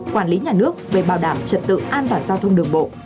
quản lý nhà nước về bảo đảm trật tự an toàn giao thông đường bộ